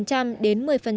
theo cách tính mới này